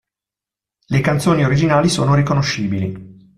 Le canzoni originali sono riconoscibili.